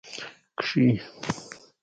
کښې